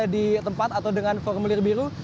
di tempat atau dengan formulir biru